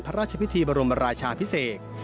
พระราชพิธีบรมราชาพิเศษ